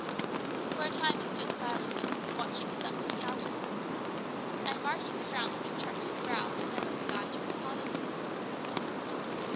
For a time he stood silent, watching his uncle's countenance, and marking the frown that contracted his brow whenever his eye turned towards him.